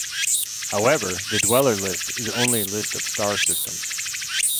However, the Dweller List is only a list of star systems.